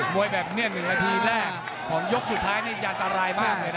วยแบบนี้๑นาทีแรกของยกสุดท้ายนี่อันตรายมากเลยนะ